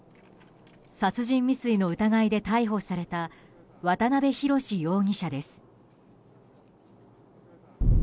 殺人未遂の疑いで逮捕された渡邊宏容疑者です。